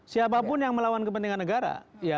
siapapun yang melawan kepentingan negara